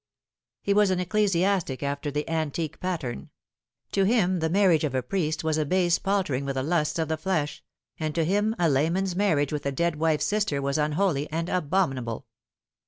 He was an ecclesiastic after the antique pattern. To him the marriage of a priest was a base paltering with the lusts of the flesh ; and to him a layman's marriage with a dead wife's sister was unholy and abominable.